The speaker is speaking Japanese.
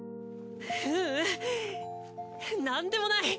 ううんなんでもない！